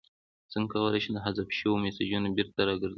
څنګه کولی شم د حذف شویو میسجونو بیرته راګرځول